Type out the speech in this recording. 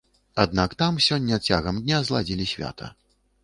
Аднак там сёння цягам дня зладзілі свята.